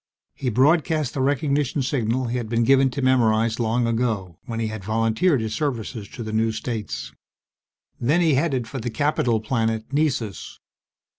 He broadcast the recognition signal he had been given to memorize long ago, when he had volunteered his services to the new states. Then he headed for the capital planet, Nessus.